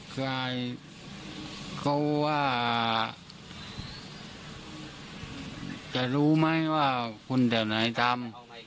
ใครก็ว่าจะรู้ไหมว่าคุณเดี๋ยวไหนตาม